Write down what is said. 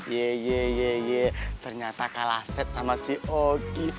ye ye ye ye ternyata kalah set sama si oki